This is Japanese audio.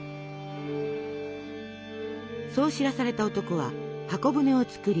そう知らされた男は方舟を作り